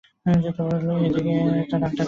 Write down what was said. এ-নিয়ে এক ধরনের রাখঢাক ছিল।